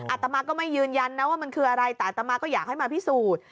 อาตมาก็ไม่ยืนยันนะว่ามันคืออะไรแต่อัตมาก็อยากให้มาพิสูจน์